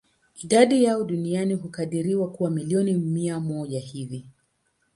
Idadi yao duniani hukadiriwa kuwa milioni mia moja hivi.